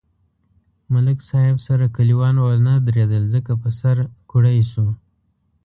ملک صاحب سره کلیوال و نه درېدل ځکه په سر کوړئ شو.